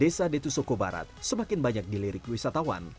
desa detusoko barat semakin banyak dilirik wisatawan